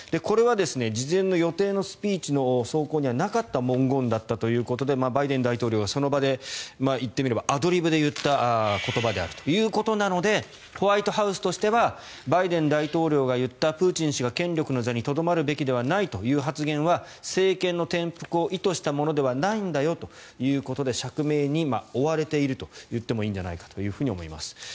これは事前の予定のスピーチの草稿にはなかった文言だったということでバイデン大統領がその場で言ってみればアドリブで言った言葉だということでホワイトハウスとしてはバイデン大統領が言ったプーチン氏が権力の座にとどまるべきではないという発言は政権の転覆を意図したものではないんだよということで釈明に追われているといってもいいんじゃないかと思います。